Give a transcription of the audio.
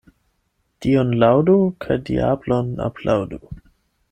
Dion laŭdu kaj diablon aplaŭdu.